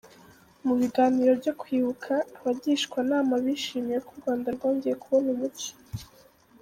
Mu biganiro byo Kwibuka, abagishwanama bishimiye ko u Rwanda rwongeye kubona umucyo.